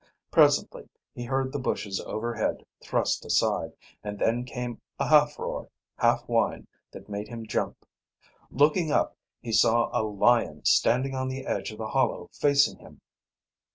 Presently he heard the bushes overhead thrust aside, and then came a half roar, half whine that made him jump. Looking up, he saw a lion standing on the edge of the hollow facing him.